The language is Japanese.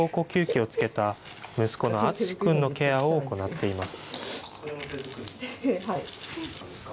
人工呼吸器をつけた息子のあつし君のケアを行っています。